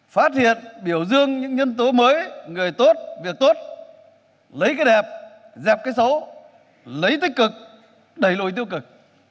phát hiện biểu dương những nhân tố mới người tốt việc tốt lấy cái đẹp dẹp cái xấu lấy tích cực đẩy lùi tiêu cực